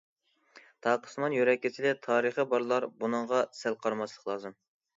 تاقىسىمان يۈرەك كېسىلى تارىخى بارلار بۇنىڭغا سەل قارىماسلىق لازىم.